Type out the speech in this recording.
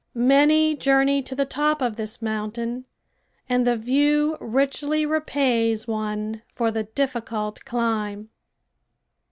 Many journey to the top of this mountain and the view richly repays one for the difficult climb.